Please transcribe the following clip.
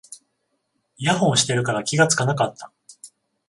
イヤホンしてるから気がつかなかった